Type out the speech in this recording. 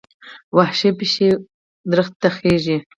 وحشي پیشو ونې ته خېژي.